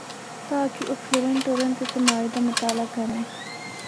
تاکہ او پھرّن ٹرّن تے سماج دا مطالع کرّن۔